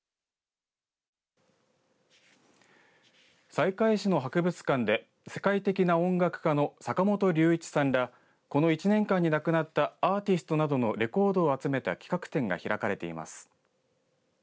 西海市の博物館で世界的な音楽家の坂本龍一さんら、この１年間に亡くなったアーティストなどのレコードを集めた企画展が開かれています。